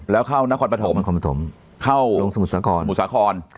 แล้วเข้านครปฐมลงสมุสขร